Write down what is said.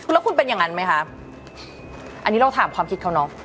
แล้วคุณเป็นอย่างนั้นไหมคะอันนี้เราถามความคิดเขาเนอะ